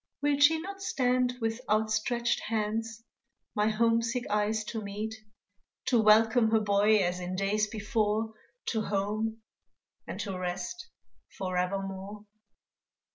Will she not stand with outstretched hands My homesick eyes to meet To welcome her boy as in days before, To home, and to rest, forevermore?